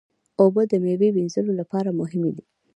اوبه د میوې وینځلو لپاره مهمې دي.